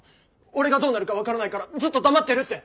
俺がどうなるか分からないからずっと黙ってるって。